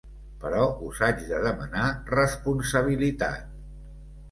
Però us haig de demanar responsabilitat.